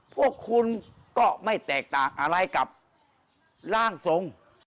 พวกคุณก็ไม่แตกต่างอะไรกับร่างทรง